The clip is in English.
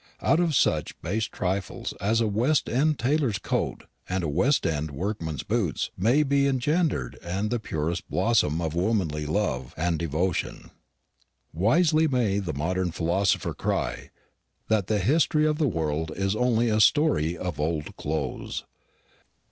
Out of such base trifles as a West end tailor's coat and a West end workman's boots may be engendered the purest blossom of womanly love and devotion. Wisely may the modern philosopher cry that the history of the world is only a story of old clothes.